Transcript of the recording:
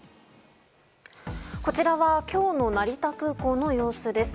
こちらは今日の成田空港の様子です。